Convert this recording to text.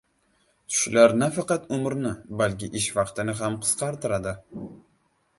Tushlar nafaqat umrni, balki ish vaqtini ham qisqartiradi.